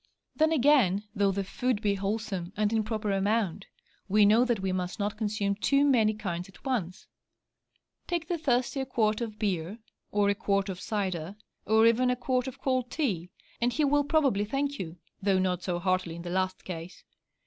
Then, again, though the food be wholesome and in proper amount, we know that we must not consume too many kinds at once. Take the thirsty a quart of beer, or a quart of cider, or even a quart of cold tea, and he will probably thank you (though not so heartily in the last case!).